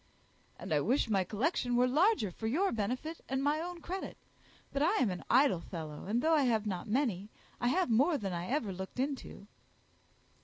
"And I wish my collection were larger for your benefit and my own credit; but I am an idle fellow; and though I have not many, I have more than I ever looked into."